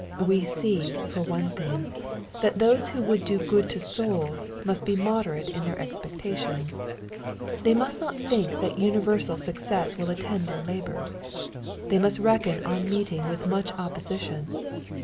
We see, for one thing, that those who would do good to souls, must be moderate in their expectations. They must not think that universal success will attend their labors. They must reckon on meeting with much oppo sition.